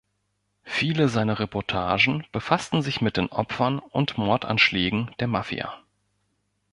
Viele seiner Reportagen befassten sich mit den Opfern und Mordanschlägen der Mafia.